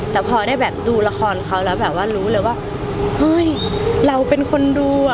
แต่พอได้แบบดูละครเขาแล้วแบบว่ารู้เลยว่าเฮ้ยเราเป็นคนดูอ่ะ